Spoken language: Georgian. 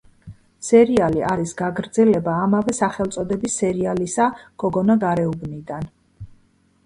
სერიალი არის გაგრძელება ამავე სახელწოდების სერიალისა გოგონა გარეუბნიდან.